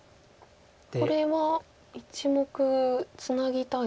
これは１目ツナぎたいですか？